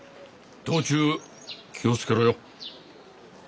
道中気を付けろよ。